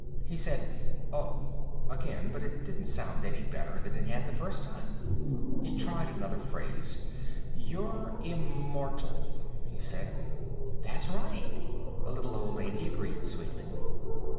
He said: "Oh," again, but it didn't sound any better than it had the first time. He tried another phrase. "You're immortal," he said. "That's right," the little old lady agreed sweetly.